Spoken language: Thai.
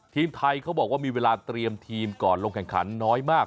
ทีมไทยเขาบอกว่ามีเวลาเตรียมทีมก่อนลงแข่งขันน้อยมาก